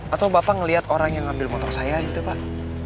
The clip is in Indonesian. atau bapak melihat orang yang ngambil motor saya gitu pak